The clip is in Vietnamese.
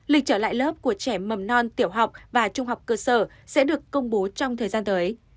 lịch trở lại lớp của trẻ mầm non tiểu học và trung học cơ sở sẽ được công bố trong thời gian tới